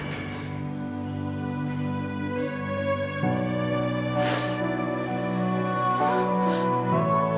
tiap hari mapanya mauurunan